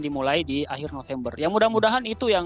dimulai di akhir november ya mudah mudahan